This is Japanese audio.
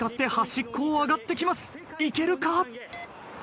いけるか？